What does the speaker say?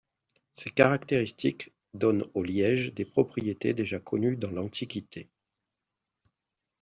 Ces caractéristiques donnent au liège des propriétés déjà connues dans l’Antiquité.